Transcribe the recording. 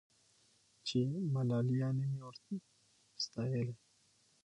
چي ملالیاني مي ور ستایلې